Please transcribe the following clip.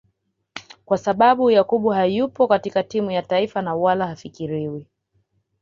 Kwa sababu Yakubu hayupo katika timu ya taifa na wala hafikiriwi